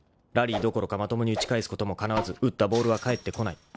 ［ラリーどころかまともに打ち返すこともかなわず打ったボールは返ってこない］